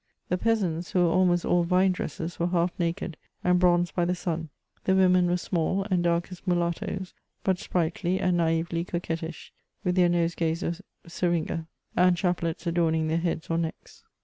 The peasants, who were almost all vine dressers, were half naked, and bronzed by the sun ; the women were small, and dark as mulattoes, but sprightly, and naively coquettish, with their nosegays of seringa, and chaplets adorning their heads or necks.